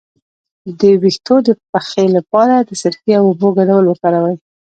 د ویښتو د پخې لپاره د سرکې او اوبو ګډول وکاروئ